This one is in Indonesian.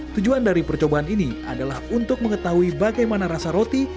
tujuan dari percobaan ini adalah untuk mengetahui bagaimana rasa roti